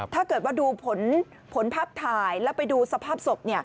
ถ้าเกิดว่าดูผลภาพถ่ายแล้วไปดูสภาพศพ